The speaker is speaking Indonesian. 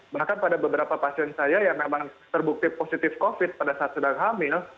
bahkan pada beberapa pasien saya yang memang terbukti positif covid pada saat sedang hamil